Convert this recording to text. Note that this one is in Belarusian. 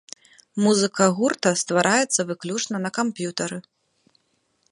Музыка гурта ствараецца выключна на камп'ютары.